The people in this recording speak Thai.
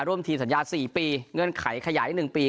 เวลาสี่ปีเงื่อนไขขยายหนึ่งปี